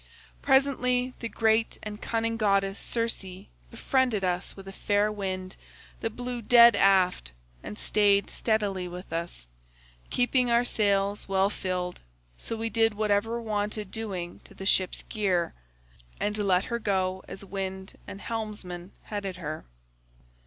Presently the great and cunning goddess Circe befriended us with a fair wind that blew dead aft, and staid steadily with us, keeping our sails well filled, so we did whatever wanted doing to the ship's gear, and let her go as wind and helmsman headed her.